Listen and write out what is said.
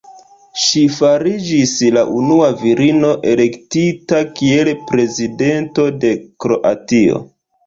Ŝi fariĝis la unua virino elektita kiel prezidento de Kroatio.